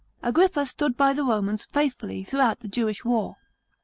Agrippa stood by the Romans faithfully throughout the Jewish war.